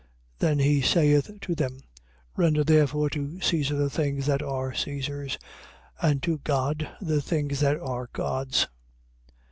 Then he saith to them: Render therefore to Caesar the things that are Caesar's; and to God, the things that are God's.